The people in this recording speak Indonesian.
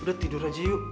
udah tidur aja yuk